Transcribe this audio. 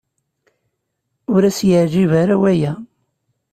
Ur as-yeɛjib ara waya.